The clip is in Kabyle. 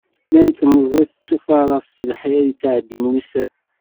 Nnan temẓi tettufaraṣ, s lḥir i ttεeddin wussan.